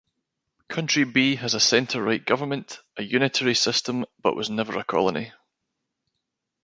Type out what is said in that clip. Country B has a centre-right government, a unitary system but was never a colony.